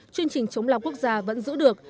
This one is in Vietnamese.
chương trình chống lao quốc gia vẫn giữ được